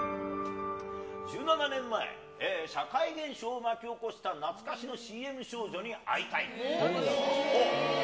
１７年前、社会現象を巻き起こした懐かしのＣＭ少女に会いたい。